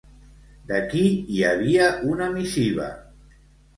De qui hi havia una missiva?